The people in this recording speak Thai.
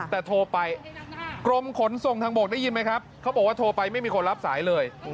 แต่โทรไปกรมขนส่งทางบกได้ยินไหมครับเขาบอกว่าโทรไปไม่มีคนรับสายเลย